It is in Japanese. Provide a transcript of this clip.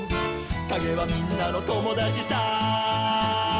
「かげはみんなのともだちさ」